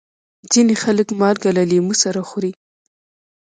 ځینې خلک مالګه له لیمو سره خوري.